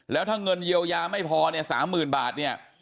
แล้วถ้าเงินเยียวยาไม่พอ๓หมื่นบาท